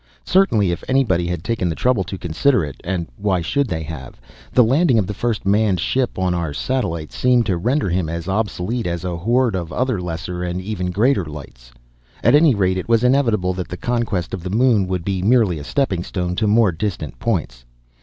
Certainly if anybody had taken the trouble to consider it and why should they have? the landing of the first manned ship on our satellite seemed to render him as obsolete as a horde of other lesser and even greater lights. At any rate, it was inevitable that the conquest of the moon would be merely a stepping stone to more distant points.